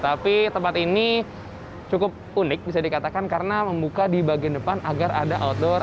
tapi tempat ini cukup unik bisa dikatakan karena membuka di bagian depan agar ada outdoor